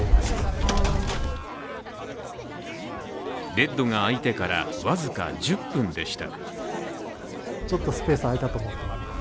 ベッドが空いてから僅か１０分でした。